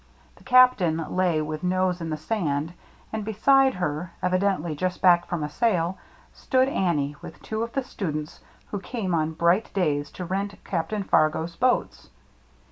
The Captain lay with nose in the sand, and beside her, evi dently just back from a sail, stood Annie with two of the students who came on bright days to rent Captain Fargo's boats.